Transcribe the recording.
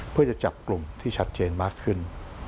เพื่อจะจับกลุ่มที่ชัดเจนมากขึ้น